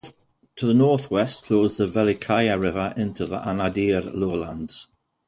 To the northwest flows the Velikaya River into the Anadyr Lowlands.